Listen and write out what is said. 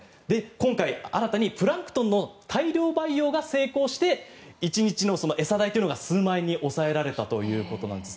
今回、新たにプランクトンの大量培養が成功して１日の餌代が数万円に抑えられたということです。